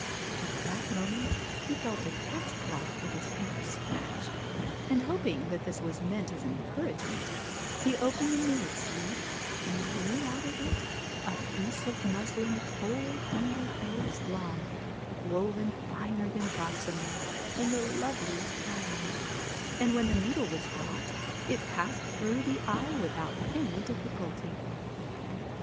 ' At that moment he felt a cat's claw give his hand a scratch, and hoping that this was meant as an encouragement, he opened the millet seed and drew out of it a piece of muslin four hundred ells long, woven finer than gossamer, in the loveliest patterns; and when the needle was brought, it passed through the eye without any difficulty.